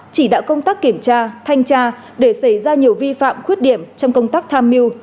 chỉ đạo công tác kiểm tra thanh tra để xảy ra nhiều vi phạm khuyết điểm trong công tác tham mưu